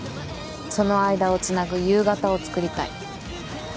その間をつなぐ夕方を作りたい。